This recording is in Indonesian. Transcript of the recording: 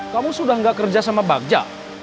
kamu sudah tidak kerja sama bagja